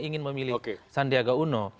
ingin memilih sandiaga uno